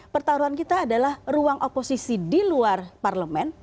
pertarungan kita adalah ruang oposisi di luar parlement